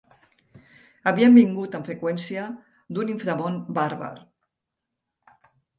Havien vingut amb freqüència d'un inframón bàrbar.